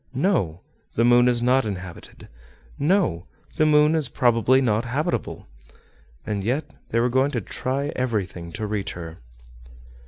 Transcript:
No! the moon is not inhabited; no! the moon is probably not habitable. And yet they were going to try everything to reach her.